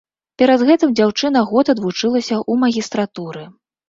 Перад гэтым дзяўчына год адвучылася ў магістратуры.